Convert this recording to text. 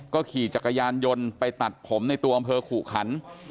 ขี่จักรยานยนต์ไปตัดผมในตัวอำเภอขู่ขัน